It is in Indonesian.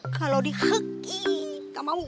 kalau dikegi gak mau